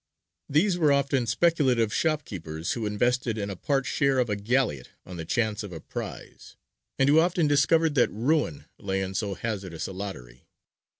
These were often speculative shopkeepers, who invested in a part share of a galleot on the chance of a prize, and who often discovered that ruin lay in so hazardous a lottery.